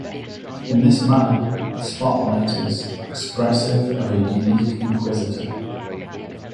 In this manner the spotlight is "expressive of a unique inquisitor".